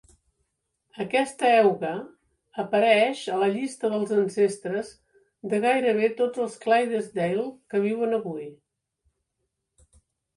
Aquesta euga apareix a la llista dels ancestres de gairebé tots els Clydesdale que viuen avui.